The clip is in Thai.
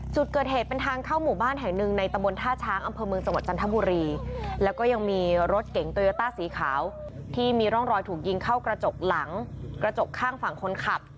จุดเกิดเหตุเป็นทางเข้าหมู่บ้านแห่งหนึ่งในตะบนท่าช้างอำเภอเมืองจังหวัดจันทบุรีแล้วก็ยังมีรถเก๋งโตโยต้าสีขาวที่มีร่องรอยถูกยิงเข้ากระจกหลังกระจกข้างฝั่งคนขับ